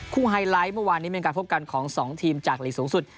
ไฮไลท์เมื่อวานนี้เป็นการพบกันของ๒ทีมจากหลีกสูงสุด